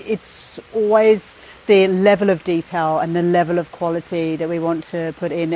itu selalu adalah level detail dan level kualitas yang ingin kita masukkan